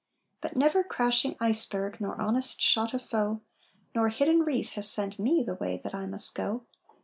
"But never crashing iceberg Nor honest shot of foe, Nor hidden reef has sent me The way that I must go.